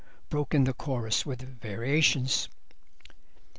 broke in the chorus, with variations.